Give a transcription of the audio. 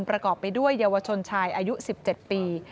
ประกอบไปด้วยเยาวชนชายอายุ๑๗ปี